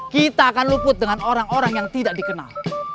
kita akan luput dengan orang orang yang tidak dikenal